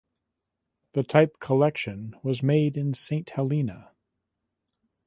The type collection was made in Saint Helena.